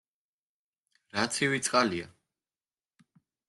რა ცივი წყალია!